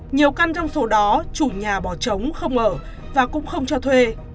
nhiều căn trong số đó chủ nhà bỏ trống không ở và cũng không cho thuê